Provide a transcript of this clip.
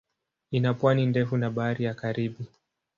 Ina pwani ndefu na Bahari ya Karibi.